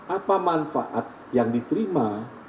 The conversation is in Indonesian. apa manfaat yang diterima